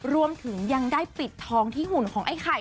รวมถึงยังได้ปิดทองที่หุ่นของไอ้ไข่